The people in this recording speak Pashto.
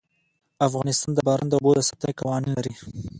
افغانستان د باران د اوبو د ساتنې قوانين لري.